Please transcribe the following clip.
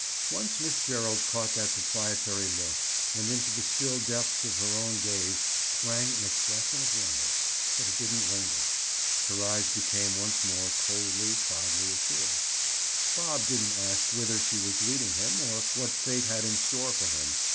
Once Miss Gerald caught that proprietary look and into the still depths of her own gaze sprang an expression of wonder. But it didn't linger; her eyes became once more coldly, proudly assured. Bob didn't ask whither she was leading him, or what fate had in store for him.